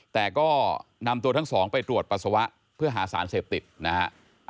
แต่ก็นำตัวทั้งสองไปตรวจปัสสาวะเพื่อหาสารเสพติดนะฮะ